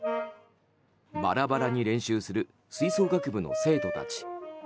バラバラに練習する吹奏楽部の生徒たち。